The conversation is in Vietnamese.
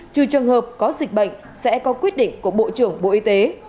trừ trường hợp có dịch bệnh sẽ có quyết định của bộ trưởng bộ y tế